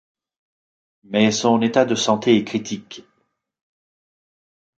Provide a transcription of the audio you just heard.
Mais son état de santé est critique.